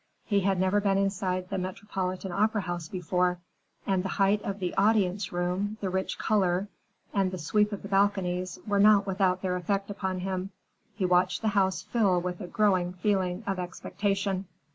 He had never been inside the Metropolitan Opera House before, and the height of the audience room, the rich color, and the sweep of the balconies were not without their effect upon him. He watched the house fill with a growing feeling of expectation.